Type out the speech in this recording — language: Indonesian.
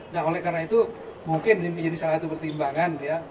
nah oleh karena itu mungkin menjadi salah satu pertimbangan ya